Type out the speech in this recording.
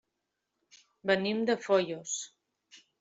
Venim de Foios.